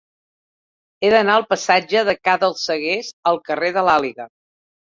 He d'anar del passatge de Ca dels Seguers al carrer de l'Àliga.